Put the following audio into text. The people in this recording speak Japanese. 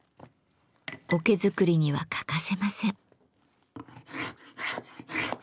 桶作りには欠かせません。